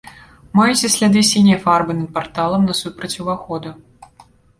Маюцца сляды сіняй фарбы над парталам насупраць уваходу.